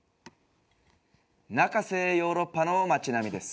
「なかせヨーロッパの街並みです」